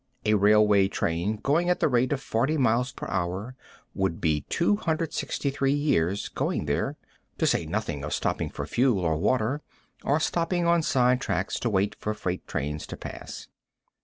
A railway train going at the rate of 40 miles per hour would be 263 years going there, to say nothing of stopping for fuel or water, or stopping on side tracks to wait for freight trains to pass.